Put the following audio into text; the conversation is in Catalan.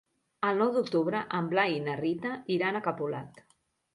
El nou d'octubre en Blai i na Rita iran a Capolat.